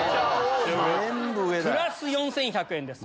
プラス４１００円です。